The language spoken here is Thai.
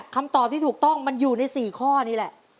คำตอบที่ถูกต้องมันอยู่ใน๔ข้อนี่แหละ